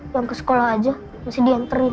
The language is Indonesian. yang ke sekolah aja mesti dianterin